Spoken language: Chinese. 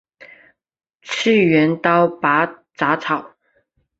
次元刀拔杂草